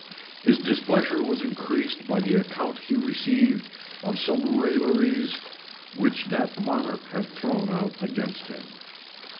His displeasure was increased by the account he received of some railleries which that monarch had thrown out against him.